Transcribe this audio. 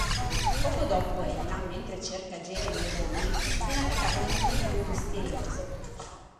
Poco dopo Elena, mentre cerca Jeremy e Bonnie, viene attaccata da un individuo misterioso.